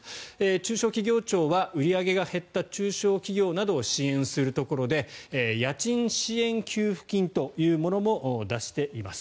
中小企業庁は売り上げが減った中小企業などを支援するところで家賃支援給付金というものも出しています。